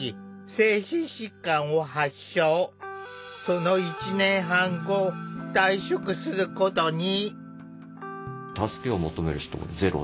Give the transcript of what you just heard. その１年半後退職することに。